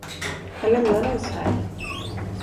Han lämnade oss här.